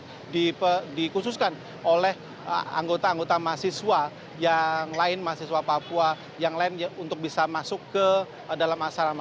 jadi ini juga dikhususkan oleh anggota anggota mahasiswa yang lain mahasiswa papua yang lain untuk bisa masuk ke dalam asrama